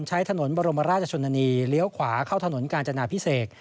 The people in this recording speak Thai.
ใช้ถนนบรมราชชนนีและเลี้ยวขวาเข้าถนนกาญภัณฑ์จันนาปิเศก